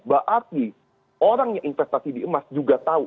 berarti orang yang investasi di emas juga tahu